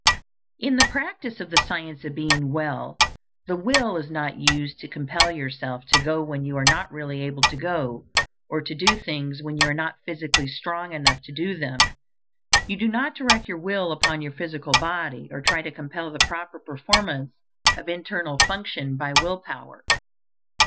In the practice of the Science of Being Well the will is not used to compel yourself to go when you are not really able to go, or to do things when you are not physically strong enough to do them. You do not direct your will upon your physical body or try to compel the proper performance of internal function by will power.